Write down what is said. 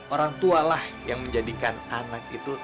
orang tua lah yang menjadikan anak itu